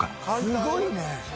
すごいね。